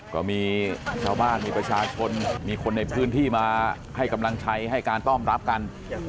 ก็มีชาวบ้านมีประชาชนมีคนในพื้นที่มาให้กำลังใจให้การต้อนรับกัน